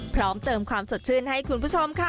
พร้อมเติมความสดชื่นให้คุณผู้ชมค่ะ